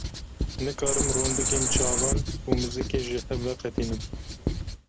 Nikarim rondikên çavan û muzîkê ji hev veqetînim.